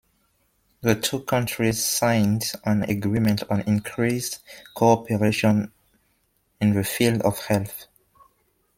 The two countries signed an agreement on increased cooperation in the field of health.